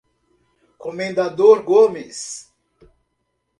Comendador Gomes